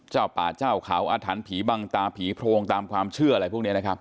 เจ้าป่าเจ้าเขาอาถรรพ์ผีบังตาผีโพรงตามความเชื่ออะไรพวกนี้นะครับ